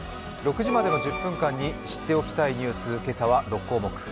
６時までの１０分間に知っておきたいニュース、今朝は６項目。